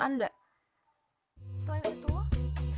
silakan untuk turun dari kendaraan anda